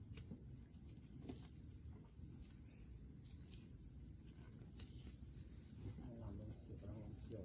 กล้างจะน้องกล้างอยู่ตรงไหน